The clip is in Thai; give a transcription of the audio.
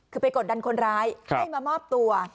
คือไปกดดันคนร้ายให้มามอบตัว